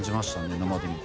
生で見て。